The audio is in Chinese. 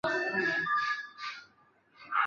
傅清于雍正元年授蓝翎侍卫。